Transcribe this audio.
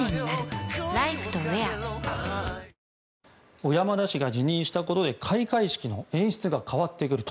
小山田氏が辞任したことで開会式の演出が変わってくると。